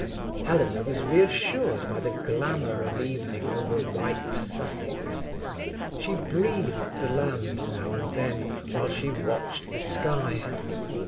Helena was reassured by the glamour of evening over ripe Sussex. She breathed the land now and then, while she watched the sky.